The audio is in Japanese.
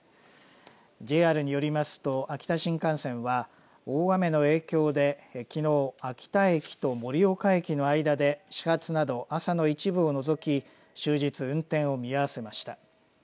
ＪＲによりますと秋田新幹線は大雨の影響できのう秋田駅と盛岡駅の間で始発など朝の一部を除き終日運転を見合わせました。